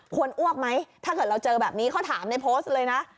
อ้วกไหมถ้าเกิดเราเจอแบบนี้เขาถามในโพสต์เลยนะ